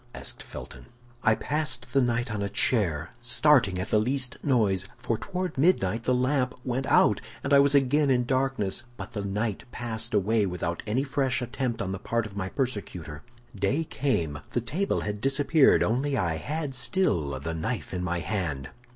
asked Felton. "I passed the night on a chair, starting at the least noise, for toward midnight the lamp went out, and I was again in darkness. But the night passed away without any fresh attempt on the part of my persecutor. Day came; the table had disappeared, only I had still the knife in my hand.